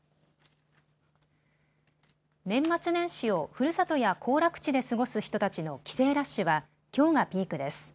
年末年始をふるさとや行楽地で過ごす人たちの帰省ラッシュはきょうがピークです。